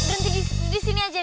berhenti di sini aja